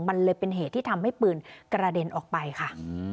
มันเลยเป็นเหตุที่ทำให้ปืนกระเด็นออกไปค่ะ